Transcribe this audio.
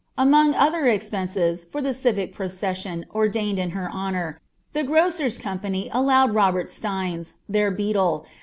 Among other expenses fur llie ait g'ocossion ordained in her honour, tlie Grocers' Compaity aUoxd obert Stiens, their beadle, 6s.